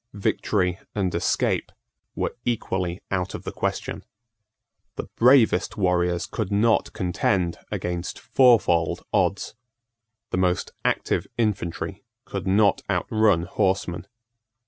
Victory and escape were equally out of the question. The bravest warriors could not contend against fourfold odds. The most active infantry could not outrun horsemen.